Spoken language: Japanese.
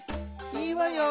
いいわよ」。